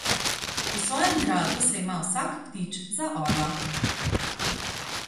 V svojem gradu se ima vsak ptič za orla.